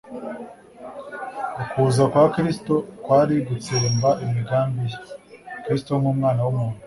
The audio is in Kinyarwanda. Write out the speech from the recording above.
Ukuza kwa Kristo kwari gutsemba imigambi ye. Kristo nk'Umwana w'umuntu,